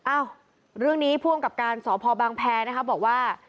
อ้าวเรื่องนี้ผู้อำกับการสพบางแพรนะคะบอกว่า